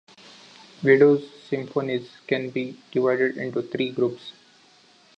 Widor's symphonies can be divided into three groups.